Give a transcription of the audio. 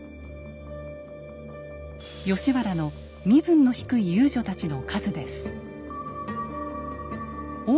吉原の身分の低い遊女たちの数です。